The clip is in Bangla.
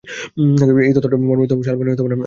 এই তত্ত্বটা মর্মরিত শালবনে আমাকে আবিষ্ট করে ধরল।